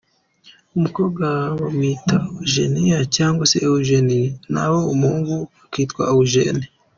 Umukobwa bamwita Eugenia cyangwa Eugénie naho umuhungu akitwa Eugene,.